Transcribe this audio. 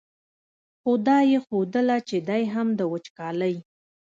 خو دا یې ښودله چې دی هم د وچکالۍ.